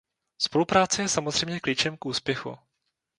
Spolupráce je samozřejmě klíčem k úspěchu.